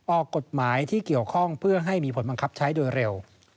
ออกกฎหมายที่เกี่ยวข้องเพื่อให้มีผลบังคับใช้โดยเร็ว